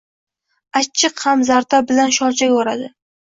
Achchiq ham zarda bilan sholchaga o‘radi.